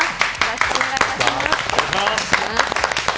よろしくお願いします。